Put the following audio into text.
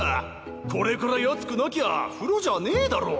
これくらい熱くなきゃ風呂じゃねぇだろ。